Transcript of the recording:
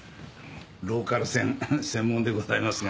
ローカル線専門でございますが。